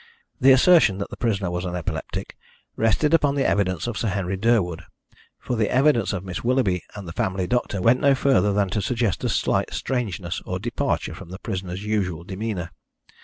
The assertion that the prisoner was an epileptic rested upon the evidence of Sir Henry Durwood, for the evidence of Miss Willoughby and the family doctor went no further than to suggest a slight strangeness or departure from the prisoner's usual demeanour.